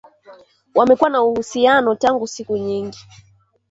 Wamekuwa na uhusiano tangu siku nyingi